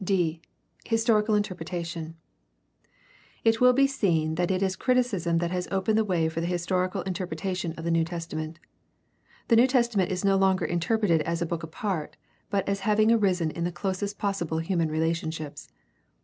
d) Historical interpretation. — It will be seen that it is criticism that has opened the way for the historical inter pretation of the New Testament. The New Testament is no longer interpreted as a book apart, but as having arisen in the closest possible human relationships.